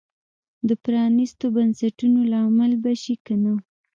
د پرانیستو بنسټونو لامل به شي که نه.